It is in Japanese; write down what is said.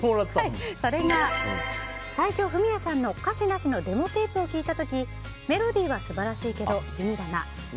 それが最初フミヤさんの歌詞なしのデモテープを聴いた時メロディーは素晴らしいけど地味だな。